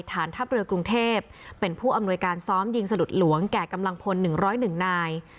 ฐานทัพเรือกรุงเทพเป็นผู้อำนวยการซ้อมยิงสะดุดหลวงแก่กำลังพล๑๐๑นาย